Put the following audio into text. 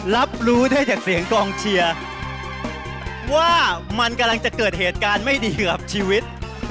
รับรู้ได้จากเสียงกองเชียร์ว่ามันกำลังจะเกิดเหตุการณ์ไม่ดีกับชีวิต